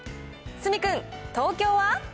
角君、東京は？